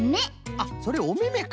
あっそれおめめか！